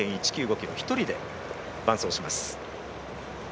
ｋｍ、１人で伴走します。